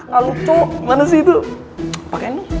gak lucu mana sih itu